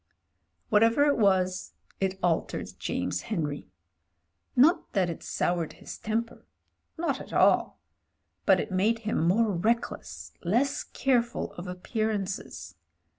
Whatever it was it altered James Henry. Not that it soured his temper — not at all ; but it made him more reckless, less careful of appearances.